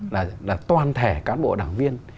là toàn thể cán bộ đảng viên